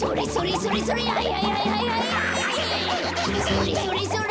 それそれそれ！